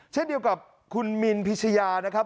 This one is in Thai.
เช่นเดียวกับคุณมินพิชยานะครับ